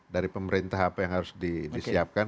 dari pemerintah apa yang harus disiapkan